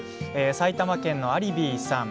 埼玉県のありビーさん。